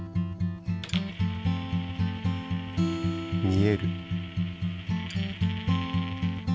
見える。